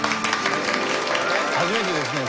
初めてですね